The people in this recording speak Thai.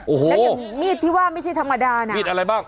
โอ้โหมีดที่ว่าไม่ใช่ธรรมดานะมีดอะไรบ้าง